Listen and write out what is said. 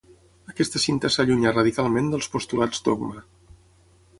Aquesta cinta s'allunya radicalment dels postulats Dogma.